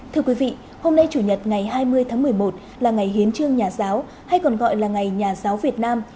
thưa quý vị hôm nay chủ nhật ngày hai mươi tháng một mươi một là ngày hiến trương nhà giáo hay còn gọi là ngày nhà giáo việt nam